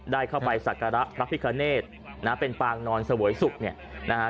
ได้เข้าไปศักระพระพิคเนศนะเป็นปางนอนสโหยศุกร์เนี่ยนะฮะ